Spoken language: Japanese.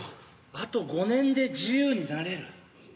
「あと５年で自由になれる」。